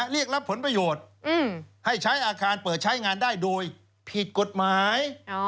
เรียกรับผลประโยชน์ให้ใช้อาคารเปิดใช้งานได้โดยผิดกฎหมาย